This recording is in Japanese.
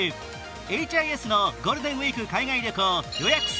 エイチ・アイ・エスのゴールデンウイーク海外旅行予約数